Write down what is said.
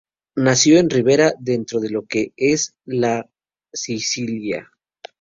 Nació en Ribera, dentro de lo que es la Sicilia.